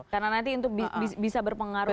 karena nanti itu bisa berpengaruh